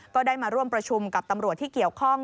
ก็ได้มาร่วมประชุมกับตำรวจที่เกี่ยวข้อง